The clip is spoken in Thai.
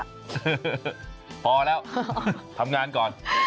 เออพอแล้วทำงานก่อน